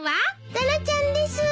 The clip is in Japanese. タラちゃんです。